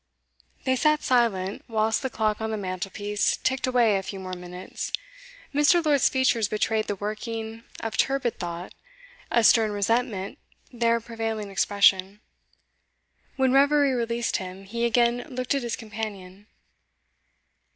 They sat silent whilst the clock on the mantelpiece ticked away a few more minutes. Mr. Lord's features betrayed the working of turbid thought, a stern resentment their prevailing expression. When reverie released him, he again looked at his companion.